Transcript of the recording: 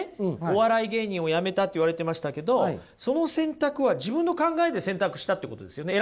「お笑い芸人を辞めた」って言われてましたけどその選択は自分の考えで選択したってことですよね？